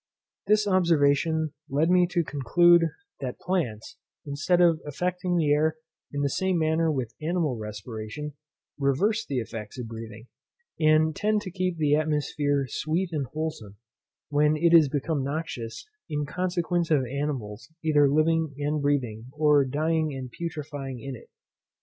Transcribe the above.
This observation led me to conclude, that plants, instead of affecting the air in the same manner with animal respiration, reverse the effects of breathing, and tend to keep the atmosphere sweet and wholesome, when it is become noxious, in consequence of animals either living and breathing, or dying and putrefying in it.